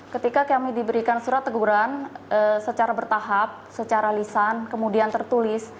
ketika kami diberikan surat teguran secara bertahap secara lisan kemudian tertulis